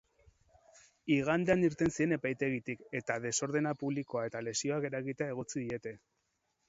Igandean irten ziren epaitegitik, eta desordena publikoa eta lesioak eragitea egotzi diete.